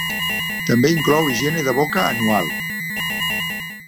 També inclou higiene de boca anual.